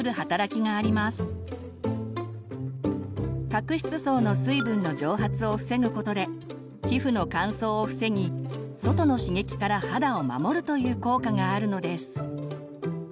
角質層の水分の蒸発を防ぐことで皮膚の乾燥を防ぎ外の刺激から肌を守るという効果があるのです。